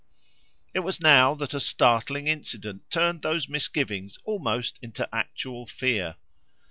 It was now that a startling incident turned those misgivings almost into actual fear.